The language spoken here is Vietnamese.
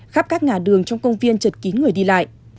khắp các ngả đường trong công viên trật kín người đi lại